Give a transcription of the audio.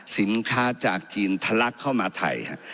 สินค้าจากจีนทะลักเข้ามาไทย